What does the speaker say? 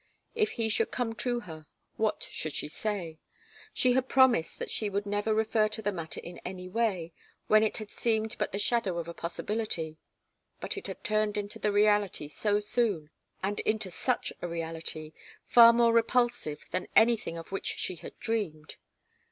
If he should come to her, what should she say? She had promised that she would never refer to the matter in any way, when it had seemed but the shadow of a possibility. But it had turned into the reality so soon, and into such a reality far more repulsive than anything of which she had dreamed.